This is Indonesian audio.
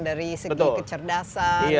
dari segi kecerdasan